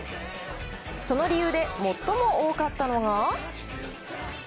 その理由で最も多かったのが。